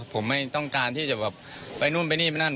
ผมไม่ต้องการที่จะแบบไปนู่นไปนี่ไปนั่น